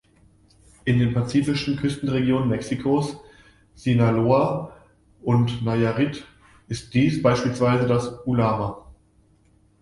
In den pazifischen Küstenregionen Mexikos Sinaloa und Nayarit ist dies beispielsweise das Ulama.